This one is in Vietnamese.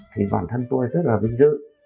thì bản thân tôi rất là vinh dự